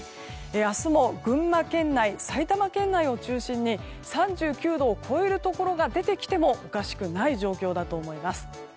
明日も群馬県内埼玉県内を中心に３９度を超えるところが出てきてもおかしくない状況だと思います。